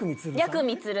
やくみつる。